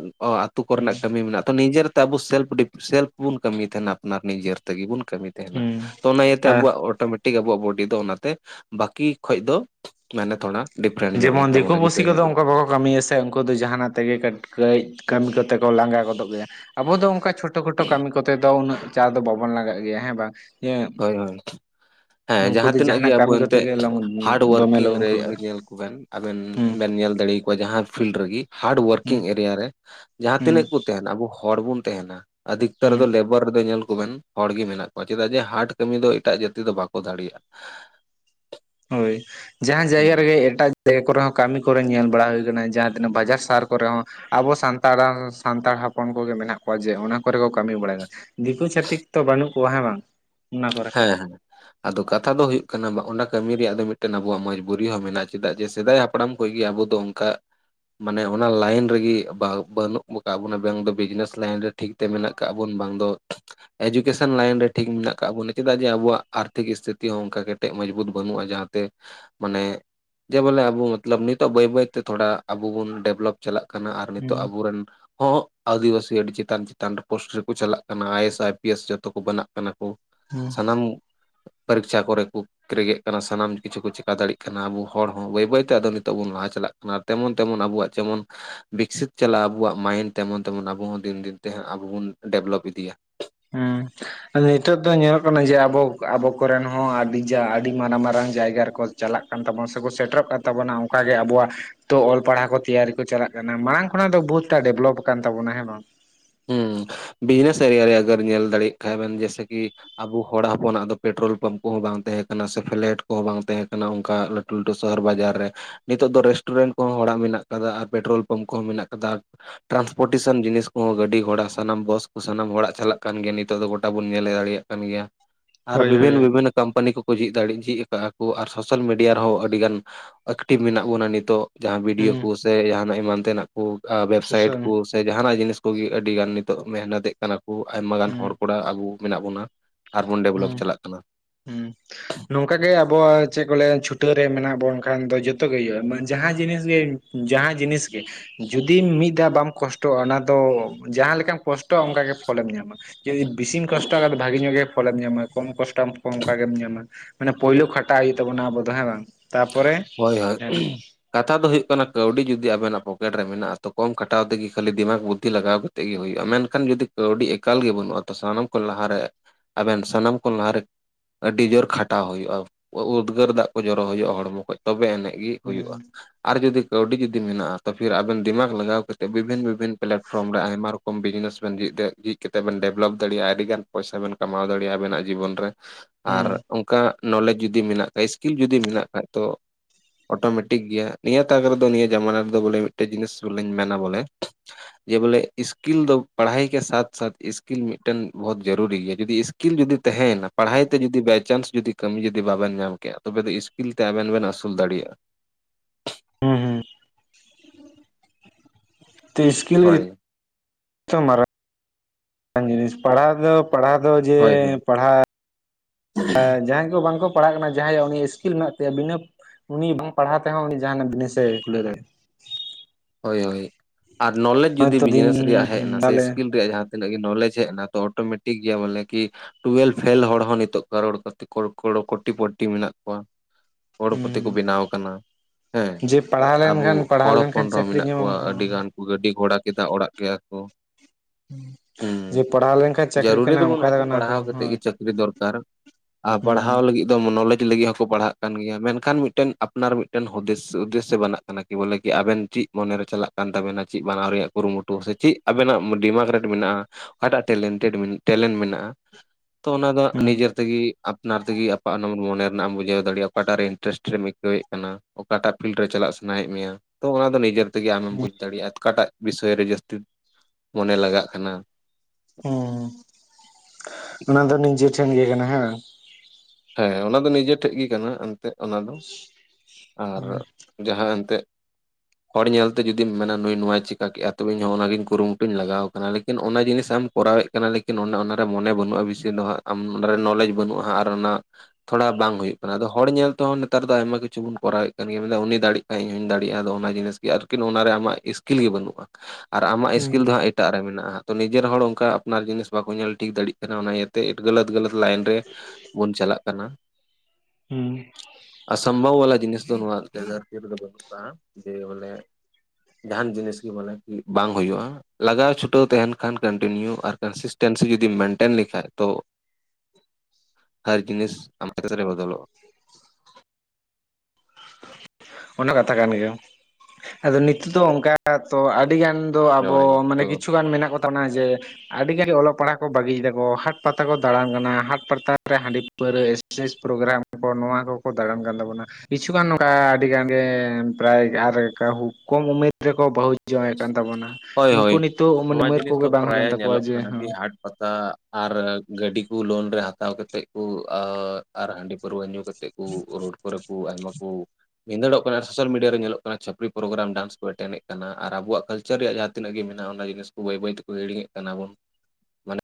B: ᱟᱸᱛᱩ
A: ᱦᱩᱸ
B: ᱠᱚᱨᱮᱱᱟᱜ ᱠᱟᱹᱢᱤ ᱢᱮᱱᱟᱜ ᱛᱚ ᱱᱤᱡᱮᱨ ᱟᱵᱚ ᱥᱮᱞᱯᱷ ᱥᱮᱞᱯ ᱵᱚᱱ ᱠᱟᱹᱢᱤ ᱛᱟᱦᱮᱱᱟ ᱟᱯᱱᱟᱨ ᱱᱤᱡᱮᱨ ᱛᱮᱜᱮ ᱵᱚᱱ ᱠᱟᱹᱢᱤ ᱛᱟᱦᱮᱱᱟ᱾
A: ᱦᱩᱸ
B: ᱛᱚ ᱚᱱᱟ ᱤᱭᱟᱹ ᱛᱮ
A: ᱟᱨ
B: ᱟᱵᱚᱣᱟᱜ ᱚᱴᱳᱢᱮᱴᱤᱠ ᱟᱵᱚᱣᱟᱜ ᱵᱚᱰᱤ ᱫᱚ ᱚᱱᱟᱛᱮ ᱵᱟᱹᱠᱤ ᱠᱷᱚᱱ ᱫᱚ ᱢᱟᱱᱮ ᱛᱷᱚᱲᱟ ᱰᱤᱯᱷᱟᱨᱮᱱᱴ ᱧᱚᱜ
A: ᱡᱮᱢᱚᱱ ᱫᱤᱠᱳ
B: ᱜᱮᱛᱟᱵᱚᱱᱟ ᱡᱩᱫᱟᱹ
A: ᱯᱩᱥᱤ ᱠᱚᱫᱚ
B: ᱧᱚᱜ ᱜᱮ
A: ᱚᱝᱠᱟ ᱵᱟᱠᱚ ᱠᱟᱹᱢᱤᱭᱟ ᱥᱮ ᱾ ᱥᱮ ᱩᱝᱠᱩ ᱫᱚ ᱡᱟᱦᱟᱱᱟ ᱛᱮᱜᱮ ᱠᱟᱴ ᱠᱟᱹᱡ ᱠᱟᱹᱢᱤ ᱠᱟᱛᱮ ᱠᱚ ᱞᱟᱸᱜᱟ ᱜᱚᱫᱚᱜ ᱜᱮᱭᱟ, ᱟᱵᱚ ᱫᱚ ᱚᱝᱠᱟ ᱪᱷᱚ ᱴᱩᱠᱩ-ᱴᱩᱠᱩ ᱠᱟᱹᱢᱤ ᱠᱚᱛᱮ ᱫᱚ, ᱩᱱᱟᱹᱜ ᱪᱟᱰ ᱫᱚ, ᱵᱟᱵᱚᱱ ᱞᱟᱸᱜᱟᱜ ᱜᱮᱭᱟ, ᱦᱮᱸ ᱵᱟᱝ? ᱡᱮ
B: ᱦᱳᱭ ᱦᱳᱭ, ᱦᱮᱸ
A: ᱩᱱᱠᱩ
B: ᱡᱟᱦᱟᱸ
A: ᱫᱚ
B: ᱛᱤᱱᱟᱹᱜ ᱜᱮ
A: ᱡᱟᱦᱟᱱᱟᱜ
B: ᱟᱵᱚ
A: ᱠᱟᱹᱢᱤ ᱠᱚᱛᱮ
B: ᱮᱱᱛᱮᱜ
A: ᱜᱮ ᱫᱚᱢᱮ
B: ᱦᱟᱨᱰᱚᱣᱟᱨᱠᱤᱝ
A: ᱞᱚᱜᱚᱱ
B: ᱨᱮ
A: ᱠᱚ ᱞᱟᱜᱟᱜᱼᱟ
B: ᱧᱮᱞ ᱟᱵᱮᱱ ᱟᱵᱮᱱ
A: ᱦᱩᱸ
B: ᱵᱮᱱ ᱧᱮᱞ ᱫᱟᱲᱮ ᱟᱠᱚᱣᱟ ᱡᱟᱦᱟᱸ ᱯᱷᱤᱞᱰ ᱨᱮᱜᱮ ᱦᱟᱨᱰ ᱳᱣᱟᱨᱠᱤᱝ
A: ᱦᱩᱸ
B: ᱮᱨᱤᱭᱟ ᱨᱮ, ᱡᱟᱦᱟᱸ
A: ᱦᱩᱸ
B: ᱛᱤᱱᱟᱹᱜ ᱠᱚ ᱛᱟᱦᱮᱱᱟ ᱟᱵᱚ ᱦᱚᱲ ᱵᱚᱱ ᱛᱟᱦᱮᱱᱟ ᱟᱫᱷᱤᱠᱛᱟᱨ
A: ᱦᱩᱸ
B: ᱞᱮᱵᱟᱨ ᱨᱮᱫᱚ ᱧᱮᱞ ᱠᱚᱵᱮᱱ ᱾ ᱦᱚᱲ ᱜᱮ ᱢᱮᱱᱟᱜ ᱠᱚᱣᱟ, ᱪᱮᱫᱟᱜ ᱡᱮ, ᱦᱟᱰ ᱠᱟᱹᱢᱤ ᱫᱚ, ᱮᱴᱟᱜ ᱡᱟᱹᱛᱤ ᱫᱚ, ᱵᱟᱠᱚ ᱫᱟᱲᱮᱭᱟᱜᱼᱟ ᱾
A: ᱦᱳᱭ, ᱡᱟᱦᱟᱸ ᱡᱟᱭᱜᱟ
B: ᱦᱮᱸ
A: ᱨᱮᱜᱮ ᱮᱴᱟᱜ ᱛᱮᱜᱮ ᱠᱚᱨᱮ ᱦᱚᱸ ᱠᱟᱹᱢᱤ ᱠᱚᱨᱮ ᱧᱮᱞ ᱵᱟᱲᱟ ᱦᱩᱭ ᱠᱟᱱᱟ ᱡᱟᱦᱟᱸ ᱛᱤᱱᱟᱹᱜ ᱵᱟᱡᱟᱨ ᱥᱟᱦᱟᱨ ᱠᱚᱨᱮ ᱦᱚᱸ ᱟᱵᱚ ᱥᱟᱱᱛᱟᱲᱟᱝ ᱥᱟᱱᱛᱟᱲ ᱦᱚᱯᱚᱱ ᱠᱚᱜᱮ ᱢᱮᱱᱟᱜ ᱠᱚᱣᱟ ᱡᱮ ᱚᱱᱟ ᱠᱚᱨᱮ ᱠᱚ ᱠᱟᱹᱢᱤ ᱵᱟᱲᱟᱭᱫᱟ ᱾ ᱫᱤᱠᱩ ᱪᱷᱟᱛᱤᱠ ᱛᱚ, ᱵᱟᱹᱱᱩᱜ ᱠᱚᱣᱟ, ᱦᱮᱸ ᱵᱟᱝ? ᱚᱱᱟ ᱠᱚᱨᱮ
B: ᱦᱮᱻ ᱦᱮᱸ ᱾ ᱟᱫᱚ, ᱠᱟᱛᱷᱟ ᱫᱚ ᱦᱩᱭᱩᱜ ᱠᱟᱱᱟ, ᱵᱟᱸ ᱚᱱᱟ ᱠᱟᱹᱢᱤ ᱨᱮᱭᱟᱜ ᱫᱚ, ᱢᱤᱫᱴᱮᱱ ᱟᱵᱚᱣᱟᱜ, ᱢᱚᱸᱡᱽ ᱵᱩᱨᱤ ᱦᱚᱸ, ᱢᱮᱱᱟᱜᱼᱟ, ᱪᱮᱫᱟᱜ ᱡᱮ, ᱥᱮᱫᱟᱭ ᱦᱟᱯ ᱯᱲᱟᱢ ᱠᱷᱚᱡ ᱜᱮ ᱟᱵᱚ ᱫᱚ ᱚᱝᱠᱟ ᱢᱟᱱᱮ ᱚᱱᱟ ᱞᱟᱭᱤᱱ ᱨᱮᱜᱮ ᱵᱟ ᱵᱟᱹᱱᱩᱜ ᱠᱟᱜ ᱵᱚᱱᱟ ᱵᱮᱝ ᱫᱚ ᱵᱤᱡᱽᱱᱮᱥ ᱞᱟᱭᱤᱱ ᱨᱮ! ᱴᱷᱤᱠ ᱛᱮ ᱢᱮᱱᱟᱜ ᱠᱟᱜ ᱵᱚᱱ ᱵᱟᱝ ᱫᱚ ᱮᱡᱩᱠᱮᱥᱚᱱ ᱞᱟᱭᱤᱱ ᱨᱮ ᱴᱷᱤᱠ ᱢᱮᱱᱟᱜ ᱠᱟᱜ ᱵᱚᱱ ᱪᱮᱫᱟᱜ ᱡᱮ ᱟᱵᱚᱣᱟᱜ ᱟᱨᱛᱷᱤᱠ ᱤᱥᱛᱷᱤᱛᱤ ᱚᱝᱠᱟ ᱠᱮᱴᱮᱡ ᱢᱚᱡᱽᱵᱩᱛ ᱵᱟᱹᱱᱩᱜᱼᱟ, ᱡᱟᱦᱟᱸᱛᱮ ᱢᱟᱱᱮ, ᱡᱮ ᱵᱚᱞᱮ, ᱟᱵᱚ ᱢᱚᱛᱞᱚᱵ, ᱱᱤᱛᱚᱜ ᱵᱟᱹᱭ ᱵᱟᱹᱭ ᱛᱮ, ᱛᱷᱚᱲᱟ ᱟᱵᱚ ᱵᱚᱱ, ᱰᱮᱵᱷᱞᱚᱯ ᱪᱟᱞᱟᱜ ᱠᱟᱱᱟ, ᱟᱨ ᱱᱤᱛᱚᱜ
A: ᱦᱩᱸ
B: ᱟᱵᱚᱨᱮᱱ ᱦᱚᱸ ᱦᱚᱸ ᱟᱹᱫᱤᱵᱟᱹᱥᱤ ᱟᱹᱰᱤ ᱪᱮᱛᱟᱱ ᱪᱮᱛᱟᱱ ᱨᱮ ᱯᱳᱥᱴ ᱨᱮᱠᱚ ᱪᱟᱞᱟᱜ ᱠᱟᱱᱟ I S, I P S ᱡᱚᱛᱚ ᱠᱚ ᱵᱮᱱᱟᱜ ᱠᱟᱱᱟ ᱠᱚ ᱾
A: ᱦᱩᱸ
B: ᱥᱟᱱᱟᱢ ᱯᱟᱨᱤᱠᱪᱷᱟ ᱠᱚᱨᱮ ᱠᱚ ᱨᱮᱸᱜᱟᱜ ᱠᱟᱱᱟ ᱥᱟᱱᱟᱢ ᱠᱤᱪᱷᱩ ᱠᱚ ᱪᱮᱠᱟ ᱫᱟᱲᱮᱜ ᱠᱟᱱᱟ ᱟᱵᱚ ᱦᱚᱲ ᱦᱚᱸ ᱵᱟᱹᱭ ᱵᱟᱹᱭᱛᱮ ᱟᱫᱚ ᱱᱤᱛᱚᱜ ᱵᱚᱱ ᱞᱟᱦᱟ ᱪᱟᱞᱟᱜ ᱟᱨ, ᱛᱮᱢᱚᱱ ᱛᱮᱢᱚᱱ, ᱟᱵᱚᱣᱟᱜ, ᱡᱮᱢᱚᱱ ᱵᱤᱠᱥᱤᱛ ᱪᱟᱞᱟᱜᱼᱟ ᱟᱵᱚᱣᱟᱜ ᱢᱟᱭᱤᱱᱰ ᱛᱮᱢᱚᱱ ᱛᱮᱢᱚᱱ ᱟᱵᱚ ᱦᱚᱸ ᱫᱤᱱ ᱫᱤᱱ ᱛᱮ ᱦᱟᱸᱜ ᱟᱵᱚ ᱵᱚᱱ ᱰᱮᱵᱞᱚᱯ ᱤᱫᱤᱭᱟ ᱾
A: ᱦᱩᱸ ᱾ ᱱᱤᱛᱚᱜ ᱫᱚ ᱧᱮᱞᱚᱜ ᱠᱟᱱᱟ ᱡᱮ ᱟᱵᱚ ᱟᱵᱚ ᱠᱚᱨᱮᱱ ᱦᱚᱸ ᱟᱹᱰᱤ ᱡᱟ ᱟᱹᱰᱤ ᱢᱟᱨᱟᱝ ᱢᱟᱨᱟᱝ ᱡᱟᱭᱜᱟ ᱨᱮᱠᱚ ᱪᱟᱞᱟᱜ ᱠᱟᱱ ᱛᱟᱵᱚᱱᱟ ᱥᱮᱠᱚ ᱥᱮᱴᱮᱨᱚᱜ ᱠᱟᱱ ᱛᱟᱵᱚᱱᱟ ᱚᱝᱠᱟ ᱜᱮ ᱟᱵᱚᱣᱟᱜ ᱛᱚ ᱚᱞ ᱯᱟᱲᱦᱟ ᱠᱚ ᱛᱮᱭᱟᱨᱤ ᱠᱚ ᱪᱟᱞᱟᱜ ᱠᱟᱱᱟ, ᱢᱟᱲᱟᱝ ᱠᱷᱚᱱᱟᱜ ᱫᱚ ᱵᱚᱦᱩᱛᱴᱟ ᱰᱮᱵᱷᱞᱚᱯ ᱠᱟᱱ ᱛᱟᱵᱚᱱᱟ ᱦᱮᱸ ᱵᱟᱝ!
B: ᱦᱩᱸ ᱻ ᱵᱤᱡᱽᱱᱮᱥ ᱮᱨᱤᱭᱟ ᱨᱮ, ᱟᱜᱟᱨ ᱧᱮᱞ ᱫᱟᱲᱮᱭᱟᱜ ᱠᱷᱟᱱ ᱵᱮᱱ, ᱡᱮᱭᱥᱮ ᱠᱤ ᱟᱵᱚ ᱦᱚᱲ ᱦᱚᱯᱚᱱᱟᱜ ᱫᱚ, ᱯᱮᱴᱨᱳᱞ ᱯᱟᱸᱯ ᱠᱚᱦᱚᱸ, ᱵᱟᱝ ᱛᱟᱦᱮᱸ ᱠᱟᱱᱟ, ᱥᱮ, ᱯᱷᱞᱮᱴ ᱠᱚᱦᱚᱸ, ᱵᱟᱝ ᱛᱟᱦᱮᱸ ᱠᱟᱱᱟ, ᱚᱱᱠᱟ ᱞᱟᱹ ᱴᱩ ᱥᱚᱦᱚᱨ ᱵᱟᱡᱟᱨ ᱨᱮ ᱱᱤᱛᱚᱜ ᱫᱚ ᱨᱮᱥᱴᱩᱨᱮᱱᱴ ᱠᱚᱦᱚᱸ ᱦᱚᱲᱟᱜ ᱢᱮᱱᱟᱜ ᱠᱟᱫᱟ ᱟᱨ ᱯᱮᱴᱨᱳᱞ ᱯᱟᱢᱯ ᱠᱚᱦᱚᱸ ᱢᱮᱱᱟᱜ ᱠᱟᱫᱟ ᱾ ᱴᱨᱟᱱᱥᱯᱳᱴᱮᱥᱚᱱ ᱡᱤᱱᱤᱥ ᱠᱚ ᱦᱚᱸ ᱜᱟᱹᱰᱤ ᱜᱷᱚᱲᱟ ᱥᱟᱱᱟᱢ ᱵᱚᱥ ᱠᱚ ᱥᱟᱱᱟᱢ ᱦᱚᱲᱟᱜ ᱪᱟᱞᱟᱜ ᱠᱟᱱ ᱜᱮᱭᱟ ᱱᱤᱛᱚᱜ ᱫᱚ ᱜᱚᱴᱟ ᱵᱚᱱ ᱧᱮᱞᱮ ᱫᱟᱲᱮᱭᱟᱜ ᱠᱟᱱ ᱜᱮᱭᱟ ᱾ ᱟᱨ
A: ᱦᱳᱭ ᱦᱳᱭ
B: ᱵᱤᱵᱷᱤᱱᱱᱚ ᱵᱤᱵᱷᱤᱱᱱᱚ ᱠᱳᱢᱯᱟᱱᱤ ᱠᱚᱠᱚ ᱡᱷᱤᱡ ᱫᱟᱲᱮᱜ ᱡᱷᱤᱡ ᱠᱟᱜᱼᱟ ᱠᱚ ᱟᱨ ᱥᱳᱥᱟᱞ ᱢᱤᱰᱤᱭᱟ ᱨᱮᱦᱚᱸ ᱟᱹᱰᱤ ᱜᱟᱱ ᱮᱠᱴᱤᱵᱽ ᱢᱮᱱᱟᱜ ᱵᱚᱱᱟ ᱱᱤᱛᱚᱜ ᱾ ᱡᱟᱦᱟᱸ ᱵᱤᱰᱤᱭᱳ ᱠᱚ
A: ᱦᱩᱸ
B: ᱥᱮ ᱡᱟᱦᱟᱱᱟᱜ ᱮᱢᱟᱱ ᱛᱮᱱᱟᱜ ᱠᱚ ᱭᱮᱵ ᱵᱮᱵᱥᱟᱭᱤᱴ
A: ᱥᱩᱥᱟᱹᱨ
B: ᱠᱚ ᱥᱮ ᱡᱟᱦᱱᱟᱜ ᱡᱤᱱᱤᱥ ᱠᱚᱜᱮ ᱟᱹᱰᱤᱜᱟᱱ ᱱᱤᱛᱚᱜ ᱢᱮᱦᱱᱚᱛᱮᱜ ᱠᱟᱱᱟ ᱠᱚ ᱟᱭᱢᱟ ᱜᱟᱱ ᱦᱚᱲ
A: ᱦᱩᱸ
B: ᱠᱚᱲᱟ ᱟᱵᱚ ᱢᱮᱱᱟᱜ ᱵᱚᱱᱟ ᱾ ᱟᱨᱵᱚᱱ, ᱰᱮᱵᱷᱞᱚᱯ
A: ᱦᱩᱸ
B: ᱪᱟᱞᱟᱜ ᱠᱟᱱᱟ ᱾
A: ᱦᱩᱸ ᱾ ᱱᱚᱝᱠᱟ ᱜᱮ ᱟᱵᱚᱣᱟᱜ ᱪᱮᱫ ᱠᱚ ᱞᱟᱹᱭᱟ ᱪᱷᱩᱴᱟᱹᱣ ᱨᱮ ᱢᱮᱱᱟᱜ ᱵᱚᱱᱠᱷᱟᱱ ᱫᱚ ᱡᱚᱛᱚ ᱜᱮ ᱦᱩᱭᱩᱜᱼᱟ ᱢᱟᱹᱱ ᱡᱟᱦᱟᱸ ᱡᱤᱱᱤᱥ ᱜᱮ ᱡᱟᱦᱟᱸ ᱡᱤᱱᱤᱥᱜᱮ, ᱡᱩᱫᱤ ᱢᱤᱫ ᱫᱷᱟᱣ, ᱵᱟᱢ ᱠᱚᱥᱴᱚᱜᱼᱟ, ᱚᱱᱟ ᱫᱚ, ᱡᱟᱦᱟᱸ ᱞᱮᱠᱟᱢ ᱠᱚᱥ ᱛᱚ, ᱚᱱᱠᱟ ᱜᱮ, ᱯᱷᱚᱞᱮᱢ ᱧᱟᱢᱟ, ᱡᱩᱫᱤ ᱵᱤᱥᱤᱢ ᱠᱚᱥᱴᱚᱜᱼ ᱟ, ᱵᱷᱟᱜᱤ ᱧᱚᱜ ᱜᱮ ᱾ ᱯᱷᱚᱞᱮᱢ ᱧᱟᱢᱟ ᱠᱚᱢ ᱠᱚᱥᱴᱟᱢ ᱠᱚᱢ ᱚᱝᱠᱟ ᱜᱮᱢ ᱧᱟᱢᱟ, ᱢᱟᱱᱮ ᱯᱳᱭᱞᱳ ᱠᱷᱟᱴᱟᱜ ᱦᱩᱭᱩᱜ ᱛᱟᱵᱚᱱᱟ ᱟᱵᱚ ᱫᱚ ᱦᱮᱸ ᱵᱟᱝ! ᱛᱟᱯᱚᱨᱮ
B: ᱦᱳᱭ ᱦᱳᱭ
A: ᱡᱟᱦᱟᱱᱟᱜ
B: ᱾ ᱠᱟᱛᱷᱟ ᱫᱚ ᱦᱩᱭᱩᱜ ᱠᱟᱱᱟ ᱠᱟᱹᱣᱰᱤ ᱡᱩᱫᱤ ᱟᱵᱮᱱᱟᱜ ᱯᱚᱠᱮᱴ ᱨᱮ ᱢᱮᱱᱟᱜᱼᱟ, ᱛᱚ ᱠᱚᱢ ᱠᱟᱴᱟᱣ ᱛᱮᱜᱮ ᱠᱷᱟᱹᱞᱤ ᱫᱤᱢᱟᱜᱽ ᱵᱩᱫᱽᱫᱷᱤ ᱞᱟᱜᱟᱣ ᱠᱟ ᱛᱮᱜᱮ ᱦᱩᱭᱩᱜᱼᱟ, ᱢᱮᱱᱠᱷᱟᱱ ᱡᱩᱫᱤ ᱠᱟᱹᱣᱰᱤ ᱮᱠᱟᱞ ᱜᱮ ᱵᱟᱹᱱᱩᱜᱼᱟ ᱛᱚ ᱥᱟᱱᱟᱢ ᱠᱷᱚᱱ ᱞᱟᱦᱟᱨᱮ ᱟᱵᱮᱱ ᱥᱟᱱᱟᱢ ᱠᱷᱚᱱ, ᱞᱟᱦᱟ ᱨᱮ, ᱟᱹᱰᱤ ᱡᱳᱨ ᱠᱷᱟᱴᱟᱣ ᱦᱩᱭᱩᱜᱼᱟ, ᱩᱫᱽᱜᱟᱹᱨ ᱫᱟᱜ ᱠᱚ, ᱡᱚᱨᱚ ᱦᱩᱭᱩᱜᱼᱟ, ᱦᱚᱲ ᱢᱚᱠᱷᱚᱡ, ᱛᱚᱵᱮ ᱮᱱᱮᱡ ᱜᱮ, ᱦᱩᱭᱩᱜᱼᱟ
A: ᱦᱩᱸ
B: ᱾ ᱟᱨ ᱡᱩᱫᱤ ᱠᱟᱹᱣᱰᱤ ᱡᱩᱫᱤ ᱢᱮᱱᱟᱜᱼᱟ ᱛᱚ ᱯᱷᱤᱨ ᱟᱵᱮᱱ ᱫᱤᱢᱟᱜᱽ ᱞᱟᱜᱟᱣ ᱠᱟᱛᱮᱜ ᱵᱤᱵᱷᱤᱱ ᱵᱤᱵᱷᱤᱱ ᱯᱞᱟᱴᱯᱷᱚᱨᱚᱢ ᱨᱮ ᱟᱭᱢᱟ ᱨᱚᱠ ᱠᱚᱢ ᱵᱤᱡᱱᱮᱥ ᱵᱮᱱ ᱡᱤ ᱫᱮᱡ ᱡᱷᱤᱡ ᱠᱟᱛᱮᱫ ᱵᱮᱱ ᱰᱮᱵᱷᱞᱚᱯ ᱫᱟᱲᱮᱼᱟ ᱟᱹᱰᱤ ᱜᱟᱱ ᱯᱚᱭᱥᱟ ᱵᱮᱱ ᱠᱟᱢᱟᱣ ᱫᱟᱲᱮᱭᱟᱜᱼᱟ ᱟᱵᱮᱱᱟᱜ ᱡᱤᱵᱚᱱ ᱨᱮ ᱾ ᱟᱨ
A: ᱦᱩᱸ
B: ᱚᱱᱠᱟ ᱱᱚᱞᱮᱡᱽ ᱡᱩᱫᱤ ᱢᱮᱱᱟᱜ ᱠᱷᱟᱡ ᱤᱥᱠᱤᱞ ᱡᱩᱫᱤ ᱢᱮᱱᱟᱜ ᱠᱷᱟᱡ ᱫᱚ᱾ ᱚᱴᱳ ᱢᱮᱴᱤᱠ ᱜᱮᱭᱟ ᱱᱤᱭᱟᱹ ᱛᱟᱠ ᱨᱮᱫᱚ ᱱᱤᱭᱟᱹ ᱡᱟᱢᱟᱱᱟ ᱨᱮᱫᱚ ᱵᱚᱞᱮ ᱢᱤᱫᱴᱮᱡ ᱡᱤᱱᱤᱥ ᱵᱚᱞᱮᱧ ᱢᱮᱱᱟ ᱵᱚᱞᱮ ᱡᱮ ᱵᱚᱞᱮ ᱤᱥᱠᱤᱞ ᱫᱚ ᱯᱟᱲᱦᱟᱭ ᱠᱮ ᱥᱟᱛ ᱥᱟᱛ ᱤᱥᱠᱤᱞ ᱢᱤᱫ ᱴᱮᱱ ᱵᱚᱦᱚᱛ ᱡᱟᱹᱨᱩᱨᱤ ᱜᱮᱭᱟ ᱡᱩᱫᱤ ᱤᱥᱠᱤᱞ ᱡᱩᱫᱤ ᱛᱟᱦᱮᱭ ᱮᱱᱟ ᱯᱟᱲᱦᱟᱭ ᱛᱮ ᱡᱩᱫᱤ ᱵᱟᱭ ᱪᱟᱱᱥ ᱡᱩᱫᱤ ᱠᱟᱹᱢᱤ ᱡᱩᱫᱤ ᱵᱟᱵᱮᱱ ᱧᱟᱢ ᱠᱮᱜᱼᱟ ᱛᱚ ᱵᱮ ᱫᱚ ᱤᱥᱠᱤᱞ ᱛᱮ ᱟᱵᱮᱱ ᱵᱮᱱ ᱟᱹᱥᱩᱞ ᱫᱟᱲᱮᱭᱟᱜᱼᱟ᱾
A: ᱦᱩᱸ ᱦᱩᱸ ᱛᱤ ᱤᱥᱠᱤᱞ ᱜᱮ
B: ᱦᱳᱭ
A: ᱪᱚ ᱢᱟᱨᱟᱝ ᱡᱤᱱᱤᱥ ᱯᱟᱲᱦᱟᱣ ᱛᱮ ᱫᱚ ᱯᱟᱲᱦᱟᱣ ᱫᱚ ᱡᱮ
B: ᱦᱳᱭ ᱦᱳᱭ
A: ᱯᱟᱲᱦᱟᱜ ᱡᱟᱦᱟᱸᱭ ᱠᱚ ᱵᱟᱝ ᱠᱚ ᱯᱟᱲᱦᱟᱜ ᱠᱟᱱᱟ ᱡᱟᱦᱟᱸᱭᱟᱜ ᱩᱱᱤᱭᱟᱜ ᱥᱠᱤᱞ ᱢᱮᱱᱟᱜ ᱛᱟᱭᱟ ᱵᱤᱱᱟᱹ ᱩᱱᱤ ᱵᱟᱝ ᱯᱟᱲᱦᱟᱣ ᱛᱮᱦᱚᱸ ᱩᱱᱤ ᱡᱟᱦᱟ ᱱᱟᱜ ᱵᱤᱱᱮᱥᱮ ᱠᱷᱩᱞᱟᱹᱣ ᱫᱟᱲᱮᱭᱟᱜᱼᱟ᱾
B: ᱦᱳᱭ ᱦᱳᱭ ᱟᱨ ᱱᱚᱞᱮᱡᱽ ᱡᱩᱫᱤ
A: ᱦᱚᱭᱛᱚ ᱫᱤᱱ
B: ᱵᱤᱡᱽᱱᱮᱥ ᱨᱮᱭᱟᱜ ᱦᱮᱡ ᱮᱱᱟ ᱥᱮ
A: ᱛᱟᱦᱚᱞᱮ
B: ᱥᱠᱤᱞ ᱨᱮᱭᱟᱜ ᱡᱟᱦᱟᱸ ᱛᱤᱱᱟᱹᱜ ᱜᱮ ᱱᱚᱞᱮᱡᱽ ᱦᱮᱡ ᱮᱱᱟ ᱛᱚ ᱚᱴᱳᱢᱴᱤᱠ ᱜᱮᱭᱟ ᱵᱚᱞᱮ ᱠᱤ ᱴᱩᱭᱮᱞ ᱯᱷᱮᱞ ᱦᱚᱲ ᱦᱚᱸ ᱱᱤᱛᱚᱜ ᱠᱟᱨᱳᱲ ᱠᱳᱴᱤ ᱠᱳᱴᱤ ᱢᱮᱱᱟᱜ ᱠᱚᱣᱟ᱾ ᱦᱚᱲ ᱯᱚᱛᱷᱤ ᱠᱚ
A: ᱦᱩᱸ
B: ᱵᱮᱱᱟᱣ ᱠᱟᱱᱟ ᱦᱮᱸ
A: ᱡᱮ ᱯᱟᱲᱦᱟᱣ
B: ᱟᱵᱚ
A: ᱞᱮᱱᱠᱷᱟᱱ ᱯᱟᱲᱦᱟᱣ
B: ᱦᱚᱲ
A: ᱞᱮᱱᱠᱷᱟᱱ
B: ᱦᱚᱸ
A: ᱪᱟᱹᱠᱨᱤ
B: ᱢᱮᱱᱟᱜ
A: ᱧᱟᱢᱟᱢ
B: ᱠᱚᱣᱟ ᱟᱹᱰᱤ ᱜᱟᱱ ᱠᱚ ᱜᱟᱹᱰᱤ ᱜᱷᱚᱲᱟ ᱠᱮᱫᱟ ᱚᱲᱟᱜ ᱠᱮᱫᱟ ᱠᱚ᱾
A: [INAUDIBLE]
B: ᱦᱮᱸ
A: ᱡᱮ ᱯᱟᱲᱦᱟᱣ ᱞᱮᱱᱠᱷᱟᱱ ᱪᱟᱹᱠᱨᱤ
B: ᱡᱟᱹᱨᱩᱨᱤ ᱫᱚ
A: ᱠᱟᱱᱟ ᱚᱱᱠᱟ
B: ᱵᱟᱹᱱᱩᱜᱼᱟ ᱠᱤ
A: ᱚᱱᱟ ᱫᱚ
B: ᱯᱟᱲᱦᱟᱣ
A: ᱵᱟᱝ
B: ᱠᱟᱛᱮᱫ
A: ᱦᱳᱭ
B: ᱜᱮ ᱪᱟᱹᱠᱨᱤ ᱫᱚᱨᱠᱟᱨ ᱟᱨ
A: ᱦᱩᱸ
B: ᱯᱟᱲᱦᱟᱣ ᱞᱟᱹᱜᱤᱫ ᱮᱠᱫᱚᱢ ᱱᱚᱞᱮᱡᱽ ᱞᱟᱹᱜᱤᱫ ᱦᱚᱸᱠᱚ ᱯᱟᱲᱦᱟᱜ ᱠᱟᱱ ᱜᱮᱭᱟ ᱢᱮᱱᱠᱷᱟᱱ ᱢᱤᱫᱴᱮᱱ ᱟᱯᱱᱟᱨ ᱢᱤᱫᱴᱮᱱ ᱦᱩᱫᱤᱥ ᱩᱫᱮᱥᱥᱚ ᱵᱮᱱᱟᱜ ᱠᱟᱱᱟ ᱠᱤ ᱵᱚᱞᱮ ᱠᱤ ᱟᱵᱮᱱ ᱪᱮᱫ ᱢᱚᱱᱮ ᱨᱮ ᱪᱟᱞᱟᱜ ᱠᱟᱱ ᱛᱟᱵᱮᱱᱟ ᱪᱮᱫ ᱢᱟᱱᱟᱣ ᱨᱮᱭᱟᱜ ᱠᱩᱨᱩᱢᱩᱴᱩ ᱥᱮ ᱪᱮᱫ ᱟᱵᱮᱱᱟᱜ ᱰᱤᱢᱟᱜᱽ ᱨᱮᱴ ᱢᱮᱱᱟᱜᱼᱟ᱾ ᱚᱠᱟᱴᱟᱜ ᱴᱮᱞᱮᱱ ᱴᱮᱴ ᱢᱮᱱᱟᱜᱼᱟ ᱛᱚ ᱚᱱᱟ ᱫᱚ
A: ᱦᱩᱸ
B: ᱱᱤᱡᱮᱨ‌ ᱛᱮ ᱜᱮ ᱟᱯᱱᱟᱨ ᱛᱮ ᱜᱮ ᱟᱯ ᱢᱚᱱᱮ ᱨᱮᱱᱟᱜ ᱮᱢ ᱵᱩᱡᱷᱟᱹᱣ ᱫᱟᱲᱮᱭᱟᱜᱼᱟ ᱚᱠᱟᱴᱟᱜ ᱨᱮ ᱤᱱᱴᱟᱨᱮᱥᱴ ᱨᱮᱢ ᱟᱹᱭᱠᱟᱹᱣ ᱮᱫ ᱠᱟᱱᱟ᱾ ᱚᱠᱟᱴᱟᱜ ᱯᱷᱤᱞᱰ ᱨᱮ ᱪᱟᱞᱟᱜ ᱥᱟᱱᱟᱭᱮᱫ ᱢᱮᱭᱟ ᱛᱚ ᱱᱤᱡᱮ ᱛᱮ ᱜᱮ ᱟᱢᱮᱢ ᱵᱩᱡᱽ ᱫᱟᱲᱮᱭᱟᱜᱼᱟ ᱚᱠᱟᱴᱟᱜ ᱵᱤᱥᱚᱭ ᱨᱮ ᱡᱟᱹᱥᱛᱤ ᱢᱚᱱᱮ ᱞᱟᱜᱟᱜ ᱠᱟᱱᱟ᱾
A: ᱦᱩᱸ ᱚᱱᱟ ᱫᱚ ᱱᱤᱡᱮ ᱴᱷᱮᱱ ᱜᱮ ᱠᱟᱱᱟ ᱦᱮᱸ᱾
B: ᱦᱮᱸ ᱚᱱᱟ ᱫᱚ ᱱᱤᱡᱮ ᱴᱷᱮᱡ ᱜᱮ ᱠᱟᱱᱟ ᱮᱱᱛᱮᱫ ᱚᱱᱟ ᱫᱚ ᱟᱨ
A: ᱦᱩᱸ
B: ᱡᱟᱦᱟᱸ ᱮᱱ ᱛᱮᱫ ᱦᱚᱲ ᱧᱮᱞᱛᱮ ᱡᱩᱫᱤᱢ ᱢᱮᱱᱟ ᱱᱩᱭ ᱱᱚᱣᱟ ᱪᱤᱠᱠᱟ ᱠᱮᱫᱼᱟ ᱛᱚ ᱤᱧ ᱦᱚᱸ ᱚᱱᱟᱜᱮ ᱠᱩᱨᱩ ᱢᱩᱴᱩᱧ ᱞᱟᱜᱟᱣ ᱟᱠᱟᱱᱟ ᱞᱮᱠᱤᱱ ᱚᱱᱟ ᱡᱤᱱᱤᱥ ᱟᱢ ᱠᱚᱨᱟᱣ ᱮᱫ ᱠᱟᱱᱟ ᱞᱮᱠᱤᱱ ᱚᱱᱟᱨᱮ ᱢᱚᱱᱮ ᱵᱟᱹᱱᱩᱜᱼᱟ ᱵᱤᱥᱤ ᱫᱚ ᱦᱟᱜ ᱟᱢ ᱚᱱᱟᱨᱮ ᱱᱚᱞᱮᱡᱽ ᱵᱟᱹᱱᱩᱜᱼᱟ ᱟᱨ ᱚᱱᱟ ᱛᱷᱚᱲᱟ ᱵᱟᱝ ᱦᱩᱭᱩᱜ ᱠᱟᱱᱟ ᱟᱫᱚ ᱦᱚᱲ ᱧᱮᱞ ᱛᱮᱦᱚᱸ ᱱᱮᱛᱟᱨ ᱫᱚ ᱟᱭᱢᱟ ᱠᱤᱪᱷᱩ ᱵᱚᱱ ᱠᱚᱨᱟᱣ ᱮᱫ ᱠᱟᱱ ᱜᱮᱭᱟ ᱢᱮᱱᱫᱟ ᱩᱱᱤ ᱫᱟᱲᱮᱜ ᱟᱨ ᱤᱧ ᱦᱚᱸᱧ ᱫᱟᱲᱮᱭᱟᱜᱼᱟᱫᱚ ᱚᱱᱟ ᱡᱤᱱᱤᱥ ᱜᱮ ᱟᱨᱠᱤ ᱚᱱᱟᱨᱮ ᱟᱢᱟᱜ ᱥᱠᱤᱞ ᱜᱮ ᱵᱟᱹᱱᱩᱜ᱾
A: [INAUDIBLE]
B: ᱟᱨ ᱟᱢᱟᱜ
A: ᱦᱩᱸ
B: ᱤᱥᱠᱤᱞ ᱫᱚ ᱦᱟᱸᱜ ᱮᱴᱟᱜ ᱨᱮ ᱢᱮᱱᱟᱜᱼᱟ ᱛᱚ ᱱᱤᱡᱮᱨ ᱦᱚᱲ ᱚᱱᱠᱟ ᱟᱯᱱᱟᱨ ᱡᱤᱱᱤᱥ ᱵᱟᱠᱚ ᱧᱮᱞ ᱴᱷᱤᱠ ᱫᱟᱲᱮᱭᱟᱜ ᱠᱟᱱᱟ ᱚᱱᱟ ᱤᱭᱟᱹᱛᱮ ᱜᱟᱹᱞᱟᱹᱛ ᱜᱟᱹᱞᱟᱹᱛ ᱞᱟᱭᱤᱱ ᱨᱮ ᱵᱚᱱ ᱪᱟᱞᱟᱜ ᱠᱟᱱᱟ᱾
A: ᱦᱩᱸ
B: ᱚᱥᱚᱢ ᱵᱚ ᱵᱟᱞᱟ ᱡᱤᱱᱤᱥ ᱫᱚ ᱱᱚᱣᱟ ᱡᱟᱭ ᱪᱮᱫ ᱫᱚ ᱵᱟᱹᱱᱩᱜ ᱟᱠᱟᱫᱟᱼᱟ ᱡᱮ ᱵᱚᱞᱮ ᱡᱟᱦᱟᱱ ᱡᱤᱱᱤᱥ ᱜᱮ ᱢᱟᱱᱮ ᱠᱤ ᱵᱟᱝ ᱦᱩᱭᱩᱜᱼᱟ᱾ ᱞᱟᱜᱟᱣ ᱪᱷᱩᱴᱟᱹᱣ ᱛᱟᱦᱮᱸᱱ ᱠᱷᱟᱱ ᱠᱚᱱᱴᱤᱱᱤᱭᱩ ᱟᱨ ᱠᱚᱱᱥᱤᱥᱴᱮᱱᱥᱤ ᱡᱩᱫᱤᱢ ᱢᱮᱱᱴᱮᱱ ᱞᱮᱠᱷᱟᱡ ᱛᱚ ᱦᱟᱨ ᱡᱤᱱᱤᱥ ᱟᱢᱟᱜ ᱠᱷᱮᱛ ᱨᱮ ᱵᱚᱫᱚᱞ ᱚᱜ-ᱟ
A: ᱚᱱᱟ ᱠᱟᱛᱷᱟ ᱠᱟᱱ ᱜᱮᱭᱟ ᱟᱫᱚ ᱱᱤᱛᱳᱜ ᱫᱚ ᱚᱱᱠᱟ ᱛᱚ ᱟᱹᱰᱤ ᱜᱟᱱ ᱫᱚ ᱟᱵᱚ
B: ᱦᱳᱭ
A: ᱢᱟᱱᱮ
B: ᱛᱚ
A: ᱠᱤᱪᱷᱩ ᱜᱟᱱ ᱢᱮᱱᱟᱜ ᱠᱚ ᱛᱟᱵᱚᱱᱟ ᱡᱮ ᱟᱹᱰᱤ ᱜᱟᱱ ᱜᱮ ᱚᱞᱚᱜ ᱯᱟᱲᱦᱟᱜ ᱠᱚ ᱵᱟᱹᱜᱤᱭ ᱫᱟᱠᱚ ᱦᱟᱴ ᱯᱟᱛᱟ ᱠᱚ ᱫᱟᱬᱟᱱ ᱠᱟᱱᱟ ᱦᱟᱴ ᱯᱟᱛᱟ ᱨᱮ ᱦᱟᱺᱰᱤ ᱯᱟᱹᱣᱨᱟᱹ ᱮᱠᱥᱟᱨᱟᱭᱤᱡᱽ ᱯᱨᱳᱜᱨᱟᱢ ᱠᱚ ᱱᱚᱣᱟ ᱠᱚ ᱠᱚ ᱫᱟᱬᱟᱱ ᱠᱟᱱ ᱛᱟᱵᱚᱱᱟ᱾ ᱠᱤᱪᱷᱩᱜᱟᱱ ᱱᱚᱝᱠᱟ ᱟᱹᱰᱤ ᱜᱟᱱ ᱜᱮ ᱯᱨᱟᱭ ᱟᱨ ᱠᱚᱢ ᱩᱢᱮᱨ ᱨᱮᱠᱚ ᱵᱟᱹᱦᱩ ᱡᱟᱣᱟᱭ ᱮᱫ ᱠᱟᱱ ᱛᱟᱵᱚᱱᱟ
B: ᱦᱳᱭ
A: ᱱᱩᱠᱩ
B: ᱦᱳᱭ
A: ᱱᱤᱛᱚᱜ ᱢᱟᱱᱮ
B: ᱱᱚᱣᱟ
A: ᱩᱢᱮᱨ
B: ᱡᱤᱱᱤᱥ
A: ᱠᱚᱜᱮ
B: ᱫᱚ
A: ᱵᱟᱝ ᱦᱩᱭ
B: ᱯᱨᱟᱭ
A: ᱠᱟᱱ ᱛᱟᱠᱚᱣᱟ
B: ᱧᱮᱞᱚᱜ
A: ᱡᱮ
B: ᱠᱟᱱᱟ
A: ᱦᱮᱸ
B: ᱠᱤ ᱦᱟᱴ ᱯᱟᱛᱟ ᱟᱨ ᱜᱟᱹᱰᱤ ᱠᱩ ᱞᱳᱱ ᱨᱮ ᱦᱟᱛᱟᱣ ᱠᱟᱛᱮᱫ ᱠᱚ ᱟᱨ ᱦᱟᱺᱰᱤ ᱯᱟᱹᱨᱣᱟᱹ ᱧᱩ ᱠᱟᱛᱮᱫ᱾ ᱮᱱᱛᱫ ᱠᱚ ᱨᱳᱰ ᱠᱚᱨᱮ ᱠᱚ ᱟᱭᱢᱟ ᱠᱚ᱾ ᱵᱷᱤᱫᱟᱹᱲᱚᱜ ᱠᱟᱱᱟ ᱥᱩᱥᱟᱞ ᱢᱤᱰᱤᱭᱟ ᱨᱮ ᱧᱮᱞᱚᱜ ᱠᱟᱱᱟ ᱪᱟᱹᱯᱨᱤ ᱯᱨᱳᱜᱨᱟᱢ ᱰᱟᱱᱥ ᱠᱚ ᱮᱴᱮᱱ ᱮᱫ ᱠᱟᱱᱟ ᱟᱨ ᱟᱵᱚᱣᱟᱜ ᱠᱟᱞ ᱪᱟᱨ ᱨᱮᱭᱟᱜ ᱡᱟᱦᱟᱸ ᱛᱤᱱᱟᱹᱜ ᱜᱮ ᱢᱮᱱᱟᱜᱼᱟ ᱚᱱᱟ ᱡᱤᱱᱤᱥ ᱠᱚ ᱵᱟᱹᱭ ᱵᱟᱹᱭ ᱛᱮᱠᱚ ᱦᱤᱲᱤᱧ ᱮᱫ ᱠᱟᱱᱟ ᱵᱚᱱ᱾